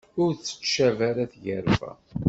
Ur tettcab ara tgerfa.